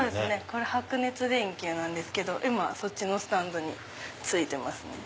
これ白熱電球なんですけどそっちのスタンドに付いてますね。